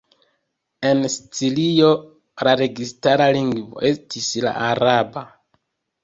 En Sicilio la registara lingvo estis la araba.